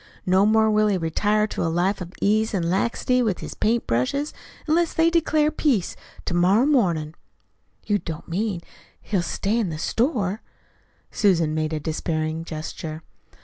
No more will he retire to a life of ease an' laxity with his paint brushes unless they declarate peace to morrow mornin'." "You don't mean he'll stay in the store?" Susan made a despairing gesture.